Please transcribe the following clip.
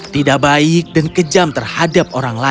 tidak baik dan kejam terhadap orang lain